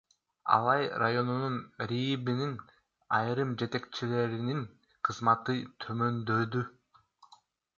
Алай районунун РИИБнин айрым жетекчилеринин кызматы төмөндөдү.